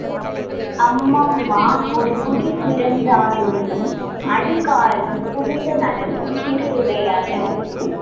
அம்மம்ம, ஒரு குடிப்பிறந்தாருள்ளும் அழுக்காறு புகுந்து நடத்தும் திருவிளையாடல்!